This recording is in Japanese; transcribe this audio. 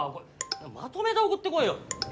まとめて送ってこいよ。